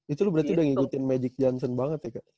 itu berarti udah ngikutin magic johnson banget ya kak